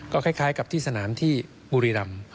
ก็คล้ายกับที่สนามที่บุรีรำ